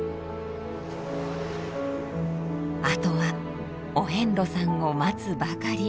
あとはお遍路さんを待つばかり。